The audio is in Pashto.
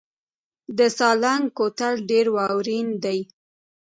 د سالنګ کوتل ډیر واورین دی